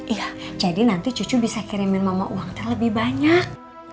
iya jadi nanti cucu bisa kirimin mama uang terlebih banyak